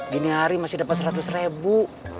gini hari masih dapet seratus ribu